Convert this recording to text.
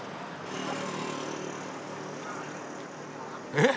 えっ？